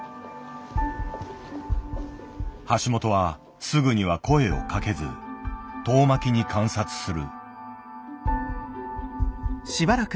橋本はすぐには声をかけず遠巻きに観察する。